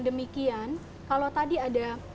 demikian kalau tadi ada